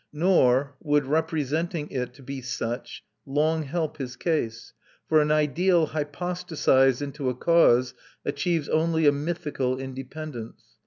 Nor would representing it to be such long help his case; for an ideal hypostasised into a cause achieves only a mythical independence.